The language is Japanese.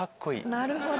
なるほど。